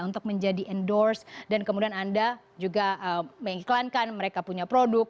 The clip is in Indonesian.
untuk menjadi endorse dan kemudian anda juga mengiklankan mereka punya produk